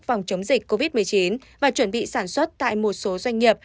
phòng chống dịch covid một mươi chín và chuẩn bị sản xuất tại một số doanh nghiệp